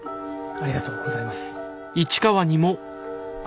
ありがとうございます！